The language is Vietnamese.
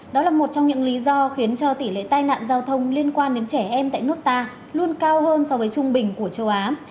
đó là một trong những lý do khiến cho tỷ lệ tai nạn giao thông liên quan đến trẻ em tại nước ta luôn cao hơn so với trung bình của châu á